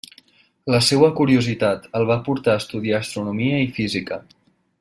La seua curiositat el va portar a estudiar astronomia i física.